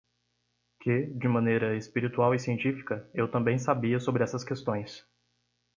Que, de maneira espiritual e científica, eu também sabia sobre essas questões.